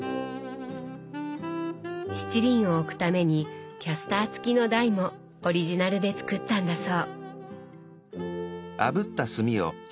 七輪を置くためにキャスター付きの台もオリジナルで作ったんだそう。